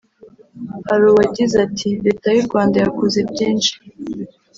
Hari uwagize ati ”Leta y’u Rwanda yakoze byinshi